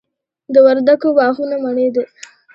د وردګو باغونه مڼې دي